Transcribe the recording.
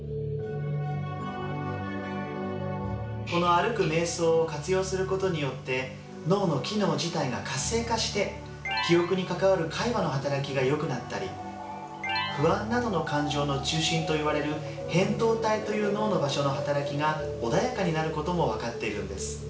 この歩くめい想を活用することによって脳の機能自体が活性化して記憶に関わる海馬の働きがよくなったり不安などの感情の中心といわれる扁桃体という脳の場所の働きが穏やかになることも分かっているんです。